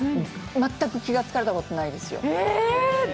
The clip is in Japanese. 全く気がつかれたことないですよ。